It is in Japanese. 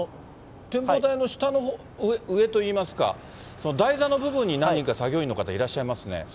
展望台の下の、上といいますか、台座の部分に何人か、作業員の方、いらっしゃいますね。